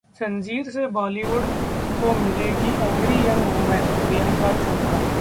जंजीर से बॉलीवुड को मिलेगी angry young women: Priyanka Chopra